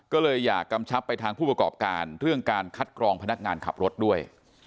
ก็เลยอยากกำชับไปทางผู้ประกอบการเรื่องการคัดกรองพนักงานขับรถด้วย